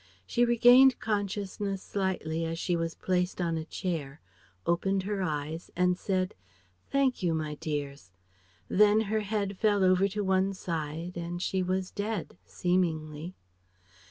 She regained consciousness slightly as she was placed on a chair, opened her eyes, and said "Thank you, my dears." Then her head fell over to one side and she was dead seemingly....